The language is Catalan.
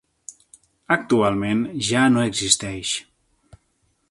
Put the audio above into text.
Actualment ja no existeix.